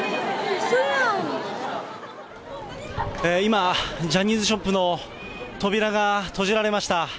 今、ジャニーズショップの扉が閉じられました。